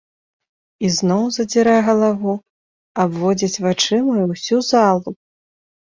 Ізноў задзірае галаву, абводзіць вачыма ўсю залу.